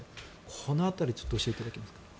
この辺りを教えていただけますか？